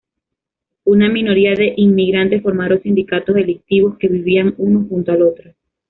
Una minoría de inmigrantes formaron sindicatos delictivos, que vivían uno junto al otro.